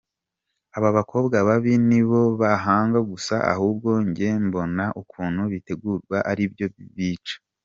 abakobwa babi nibo bahanga gusa? Ahubwo njye mbona ukuntu bitegurwa aribyo bica.